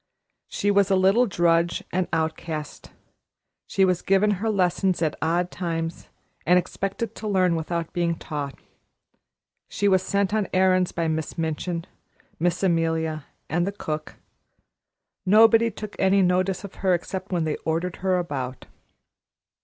She was a little drudge and outcast; she was given her lessons at odd times and expected to learn without being taught; she was sent on errands by Miss Minchin, Miss Amelia and the cook. Nobody took any notice of her except when they ordered her about.